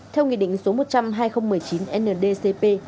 theo nghị định số một trăm linh hai nghìn một mươi chín ndcp